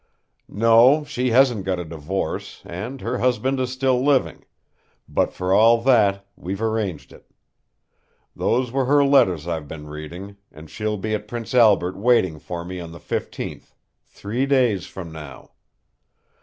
"No, she hasn't got a divorce, and her husband is still living; but for all that, we've arranged it. Those were her letters I've been reading, and she'll be at Prince Albert waiting for me on the 15th three days from now.